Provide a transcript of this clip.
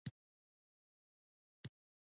دوی د مختلفو کلتورونو زغم درلود